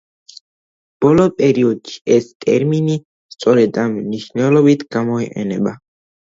ბოლო პერიოდში ეს ტერმინი სწორედ ამ მნიშვნელობით გამოიყენება.